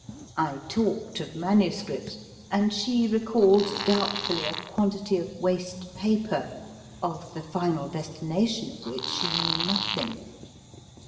I talked of manuscript, and she recalled doubtfully a quantity of waste paper, of the final destination of which she knew nothing.